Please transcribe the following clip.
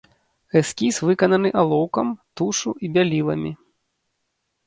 Эскіз выкананы алоўкам, тушу і бяліламі.